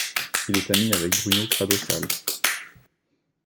Il est ami avec Bruno Crado-Sale.